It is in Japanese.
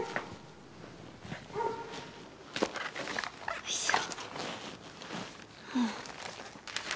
よいしょ。